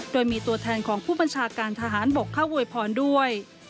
โดยมีตัวแทนของผู้บัญชาการทหารบกเข้าอวยพรด้วย